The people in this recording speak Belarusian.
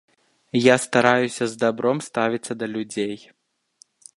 Я стараюся з дабром ставіцца да людзей.